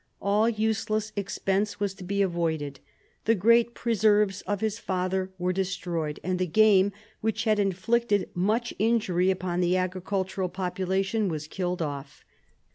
All useless expense was to be avoided. The great preserves of his father were destroyed, and the game, which had inflicted much injury upon the agricultural population, was killed off.